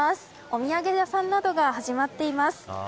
お土産屋さんなどが始まっています。